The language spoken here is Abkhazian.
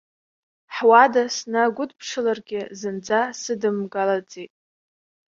Ҳуада снагәыдыԥшыларгьы зынӡа сыдымгылаӡеит.